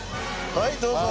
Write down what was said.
はいどうぞ。